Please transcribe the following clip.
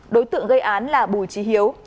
đối tượng gây án là bùi trí hiếu